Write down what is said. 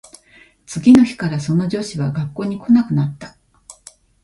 次の日からその女子は学校に来なくなった